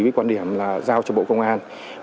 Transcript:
với quan điểm là giao cho bộ công an